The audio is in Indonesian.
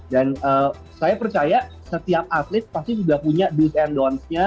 dan saya percaya setiap atlet pasti sudah punya do's and don'tsnya